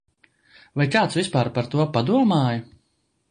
Vai kāds vispār par to padomāja?